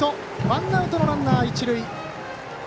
ワンアウトのランナー、一塁。